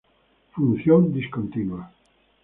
Función discontinua